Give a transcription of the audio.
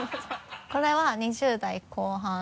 これは２０代後半。